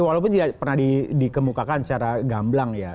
walaupun tidak pernah dikemukakan secara gamblang ya